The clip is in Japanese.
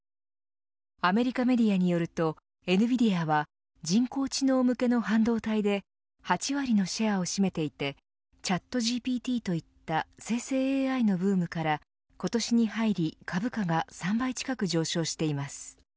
アメリカメディアによるとエヌビディアは人工知能向けの半導体で８割のシェアを占めていてチャットＧＰＴといった生成ＡＩのブームから今年に入り株価が３倍近く上昇しています。